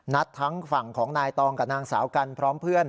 ทั้งฝั่งของนายตองกับนางสาวกันพร้อมเพื่อน